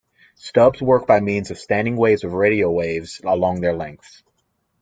Stubs work by means of standing waves of radio waves along their length.